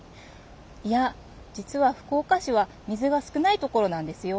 いや実は福岡市は水が少ないところなんですよ。